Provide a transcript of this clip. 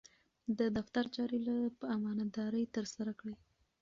د دفتر چارې په امانتدارۍ ترسره کړئ.